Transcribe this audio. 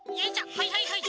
はいはいはい。